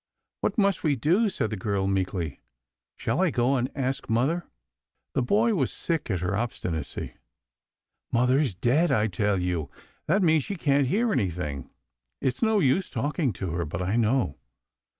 " What must we do ?" said the girl meekly. " Shall I go and ask mother ?" The boy was sick at her obstinacy. " Mother's dead, I tell you ; that means she can't hear anything. It's no use talking to her ; but I know.